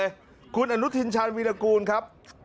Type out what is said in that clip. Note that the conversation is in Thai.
โอ้โฮคุณอรุณฑินชันวินากรูลครับ